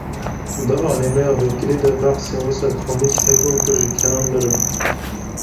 Di anîmeya vekirî de behsên wisa komîk hebûn ku ji kenan mirim.